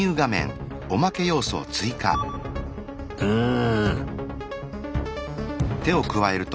うん。